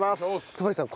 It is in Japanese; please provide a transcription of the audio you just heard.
戸張さん